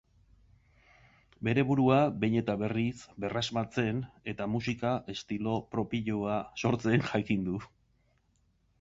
Bere burua behin eta berriz berrasmatzen eta musika estilo propioa sortzen jakin du.